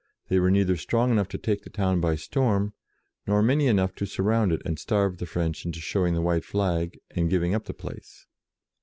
They were neither strong enough to take the town by storm, nor many enough to surround it and starve the French into showing the white flag, and giving up the place.